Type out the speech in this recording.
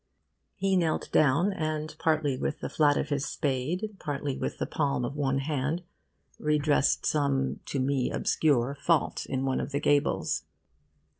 He knelt down and, partly with the flat of his spade, partly with the palm of one hand, redressed some (to me obscure) fault in one of the gables.